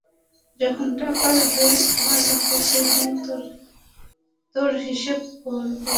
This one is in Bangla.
যখন টাকা আসবে আমার হাতে, সেদিন তোর হিসেব করব।